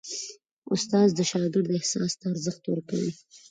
استاد د شاګرد احساس ته ارزښت ورکوي.